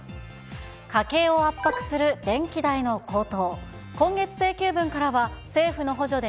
家計を圧迫する電気代の高騰。